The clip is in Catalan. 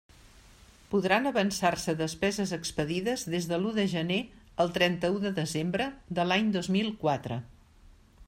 Podran avançar-se despeses expedides des de l'u de gener al trenta-u de desembre de l'any dos mil quatre.